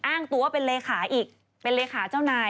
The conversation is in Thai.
อ้างตัวเป็นเลขาอีกเป็นเลขาเจ้านาย